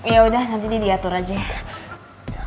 yaudah nanti didi atur aja